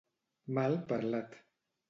Mal parlat